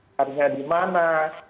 karantina di mana